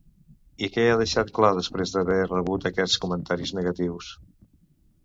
I què ha deixat clar després d'haver rebut aquests comentaris negatius?